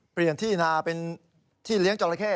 เปลี่ยนที่นาเป็นที่เลี้ยงจราเข้